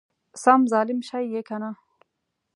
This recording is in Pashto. سم ظالم شې يې کنه!